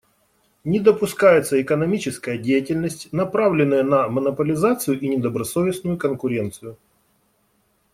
Не допускается экономическая деятельность, направленная на монополизацию и недобросовестную конкуренцию.